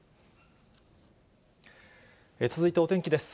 続いてお天気です。